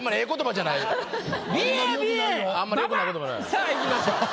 さあいきましょう。